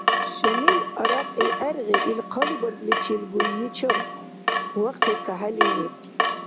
Шамил арякьи гӀергъи ил хъалибаргличил Гуйми чарухъун, вахъхӀи кахӀели, вебкӀиб.